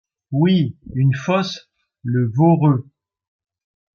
Oui, une fosse, le Voreux…